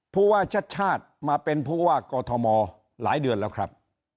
ผู้ว่าชัดชาติมาเป็นผู้ว่ากอทมหลายเดือนแล้วครับ